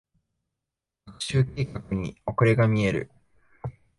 学習計画に遅れが見える。